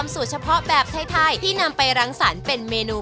สูตรเฉพาะแบบไทยที่นำไปรังสรรค์เป็นเมนู